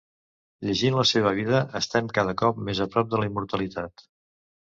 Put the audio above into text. Llegint la seva vida estem cada cop més a prop de la immortalitat.